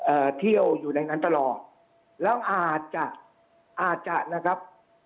เที่ยวอยู่ในนั้นตลอดแล้วอาจจะอาจจะนะครับ